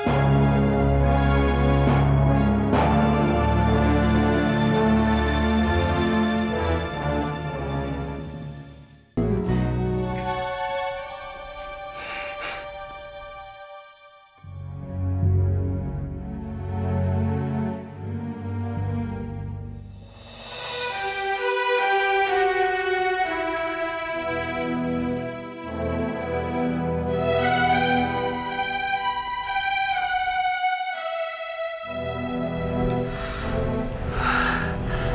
terima kasih allah